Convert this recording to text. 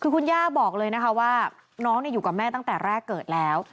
คือคุณย่าบอกเลยนะคะว่าน้องอยู่กับแม่ตั้งแต่แรกเกิดแล้ว